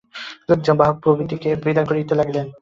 লোকজন, বাহক প্রভৃতিকে বিদায় করিয়া দিলেন।